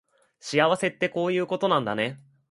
幸せってこういうことなんだね